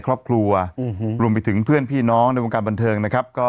ครอบครัวรวมไปถึงเพื่อนพี่น้องในวงการบันเทิงนะครับก็